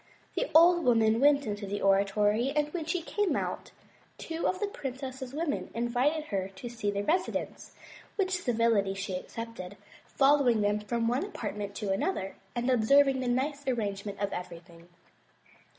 The old woman weht into the oratory and when she came out, two of the princess's women invited her to see the residence, which civility she accepted, following them from one apartment to another and observing the nice arrangement of everything.